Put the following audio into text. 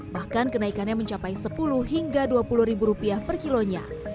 bahkan kenaikannya mencapai sepuluh hingga dua puluh ribu rupiah per kilonya